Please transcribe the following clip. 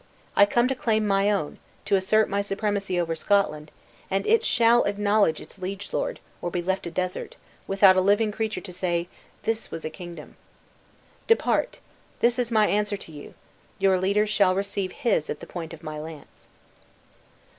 I come to claim my own, to assert my supremacy over Scotland; and it shall acknowledge its liege lord, or be left a desert, without a living creature to say, 'This was a kingdom.' Depart, this is my answer to you; your leader shall receive his at the point of my lance."